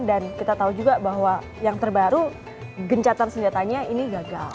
dan kita tahu juga bahwa yang terbaru gencatan senjatanya ini gagal